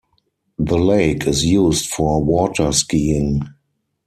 The lake is used for water skiing.